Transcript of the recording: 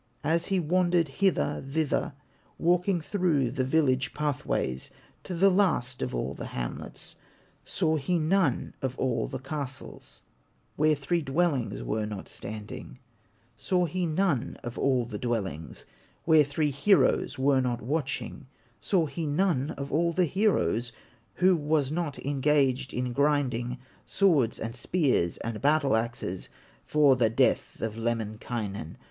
As he wandered hither, thither, Walking through the village path ways To the last of all the hamlets; Saw he none of all the castles, Where three dwellings were not standing; Saw he none of all the dwellings Where three heroes were not watching; Saw he none of all the heroes, Who was not engaged in grinding Swords, and spears, and battle axes, For the death of Lemminkainen.